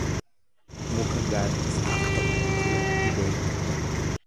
Muka gaaddisaaf ta'u biqilatti beekan.